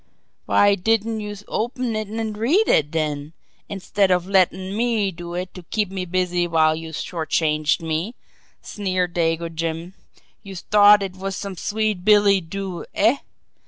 "Why didn't youse open it an' read it, den, instead of lettin' me do it to keep me busy while youse short changed me?" sneered Dago Jim. "Youse t'ought it was some sweet billy doo, eh?